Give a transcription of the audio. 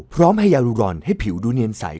พร้อมให้ยารูรอนให้ผิวดูเนียนใส